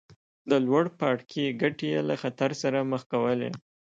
د لوړ پاړکي ګټې یې له خطر سره مخ کولې.